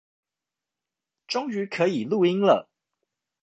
終於可以錄音了